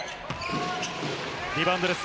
リバウンドです。